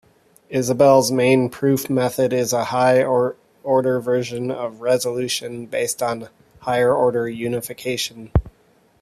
Isabelle's main proof method is a higher-order version of resolution, based on higher-order unification.